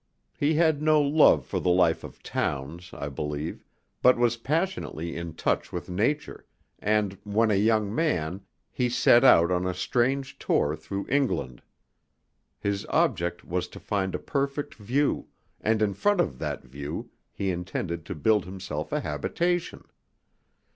He had no love for the life of towns, I believe, but was passionately in touch with nature, and, when a young man, he set out on a strange tour through England. His object was to find a perfect view, and in front of that view he intended to build himself a habitation.